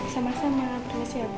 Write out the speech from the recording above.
sama sama makasih ya bu